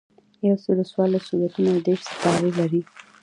یوسلو څوارلس سورتونه او دېرش سپارې لري.